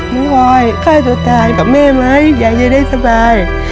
น้องพลอยข่าวตัวตายกับแหมอย่าจะได้สบาย